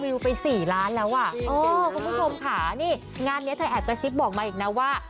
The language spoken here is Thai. ไปสี่ล้านแล้วอ่ะเออคุณผู้ชมค่ะนี่งานเนี้ยเธอแอบกระซิบบอกมาอีกนะว่า